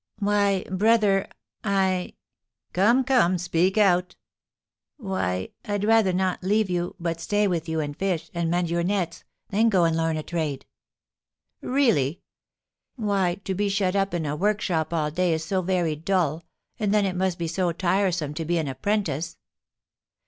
"Why, brother, I " "Come, come! Speak out." "Why, I'd rather not leave you, but stay with you, and fish, and mend your nets, than go and learn a trade." "Really?" "Why, to be shut up in a workshop all day is so very dull; and then it must be so tiresome to be an apprentice."